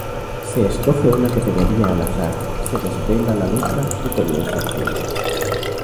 Se escoge una categoría al azar, se desvela la letra y comienza el tiempo.